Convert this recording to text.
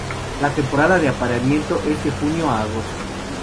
La temporada de apareamiento es de junio a agosto.